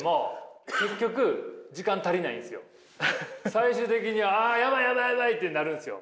最終的にああやばいやばいやばいってなるんですよ。